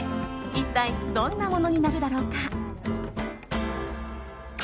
一体どんなものになるだろうか。